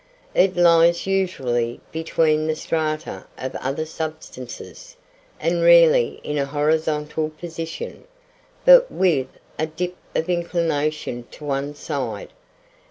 It lies usually between the strata of other substances, and rarely in an horizontal position, but with a dip or inclination to one side.